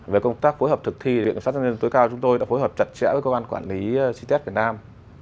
về công tác phối hợp thực thi viện kiểm sát nhân dân tối cao chúng tôi đã phối hợp chặt chẽ với cơ quan quản lý ces việt nam